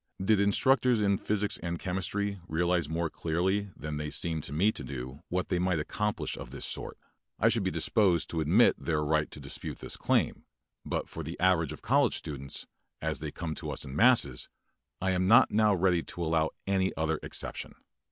Did instructors in physics and chemistry realize more clearly than they seem to me to do what they might accomplish of this sort, I should be disposed to admit their right to dispute this claim, but for the average of college students, as they come to us in masses, I am not now ready to allow any other exception.